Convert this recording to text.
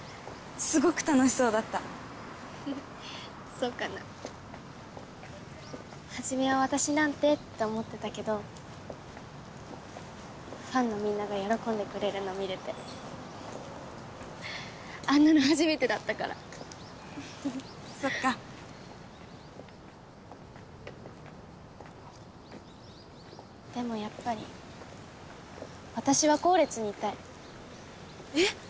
すごく楽しそうだったそうかな初めは私なんてって思ってたけどファンのみんなが喜んでくれるの見れてあんなの初めてだったからそっかでもやっぱり私は後列にいたいえっ？